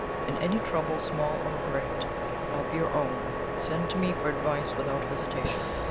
In any trouble, small or great, of your own, send to me for advice without hesitation.